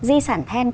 di sản then